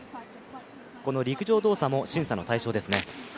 この陸上動作も審査の対象ですね。